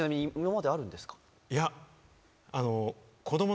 いやあの。